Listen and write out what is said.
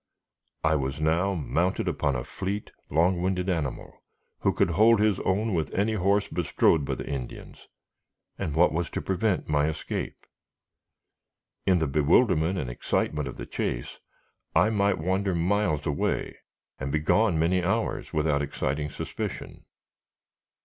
I was now mounted upon a fleet, long winded animal, who could hold his own with any horse bestrode by the Indians, and what was to prevent my escape? In the bewilderment and excitement of the chase, I might wander miles away, and be gone many hours, without exciting suspicion.